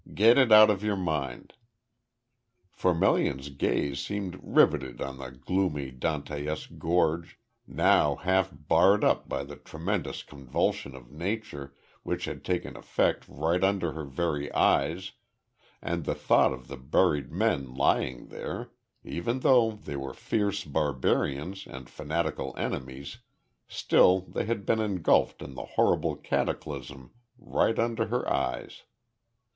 Get it out of your mind." For Melian's gaze seemed riveted on the gloomy Dantesque gorge, now half barred up by the tremendous convulsion of Nature which had taken effect right under her very eyes, and the thought of the buried men lying there even though they were fierce barbarians and fanatical enemies, still they had been engulfed in the horrible cataclysm right under her eyes.